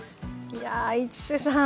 いやあ市瀬さん。